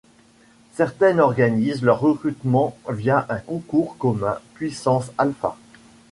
Certaines organisent leur recrutement via un concours commun Puissance Alpha.